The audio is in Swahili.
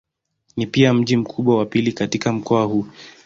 Ni pia mji mkubwa wa pili katika mkoa huu.